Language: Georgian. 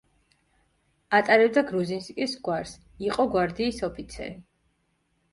ატარებდა გრუზინსკის გვარს, იყო გვარდიის ოფიცერი.